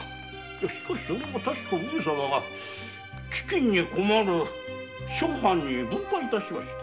しかしそれは上様が飢饉に困る諸藩に分配致しました。